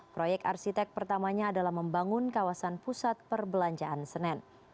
proyek arsitek pertamanya adalah membangun kawasan pusat perbelanjaan senen